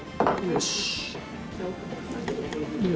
よし。